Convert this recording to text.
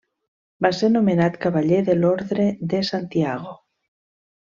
Va ser nomenat cavaller de l'Ordre de Santiago.